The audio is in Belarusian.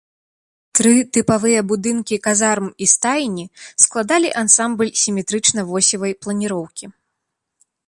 Тры тыпавыя будынкі казарм і стайні складалі ансамбль сіметрычна-восевай планіроўкі.